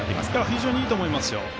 非常にいいと思いますよ。